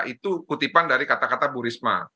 itu kutipan dari kata kata bu risma